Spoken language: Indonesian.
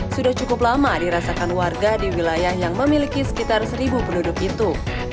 sudah cukup lama dirasakan warga di wilayah yang memiliki sekitar seribu penduduk itu